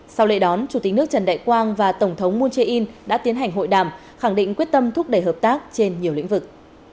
sau lễ đón chủ tịch nước trần đại quang và tổng thống moon jae in đã tiến hành hội đàm khẳng định quyết tâm thúc đẩy hợp tác trên nhiều lĩnh vực